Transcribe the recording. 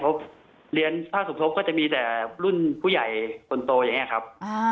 เพราะเรียนถ้าสมทบก็จะมีแต่รุ่นผู้ใหญ่คนโตอย่างนี้ครับ